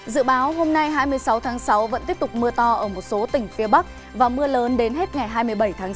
dự báo hôm nay hai mươi sáu tháng sáu vẫn tiếp tục mưa to ở một số tỉnh phía bắc và mưa lớn đến hết ngày hai mươi bảy tháng sáu